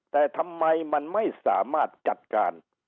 แต่ทำไมมันไม่สามารถจัดการ